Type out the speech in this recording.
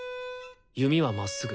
弓はまっすぐ。